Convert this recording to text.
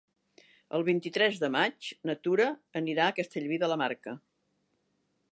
El vint-i-tres de maig na Tura anirà a Castellví de la Marca.